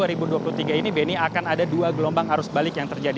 ini benny akan ada dua gelombang arus balik yang terjadi